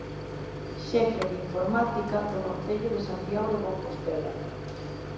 Xefe de Informática do Concello de Santiago de Compostela.